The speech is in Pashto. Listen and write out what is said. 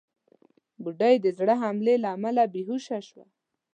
بوډۍ د زړه حملې له امله بېهوشه شوه.